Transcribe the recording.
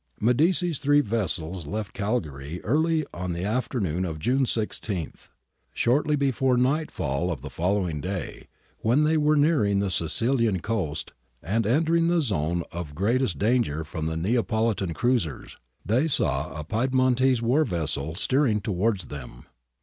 ^ Medici's three vessels left Cagliari early on the after noon of June 16. Shortly before nightfall of the following day, when they were nearing the Sicilian coast and entering the zone of greatest danger from the Neapolitan cruisers, they saw a Piedmontese war vessel steering towards them.